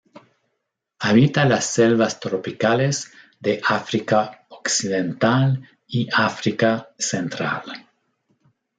Habita la selvas tropicales de África Occidental y África Central.